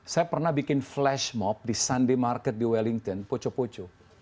saya pernah bikin flash mob di sunday market di wellington poco poco